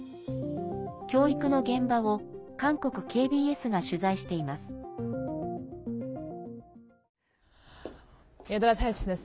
教育の現場を韓国ＫＢＳが取材しています。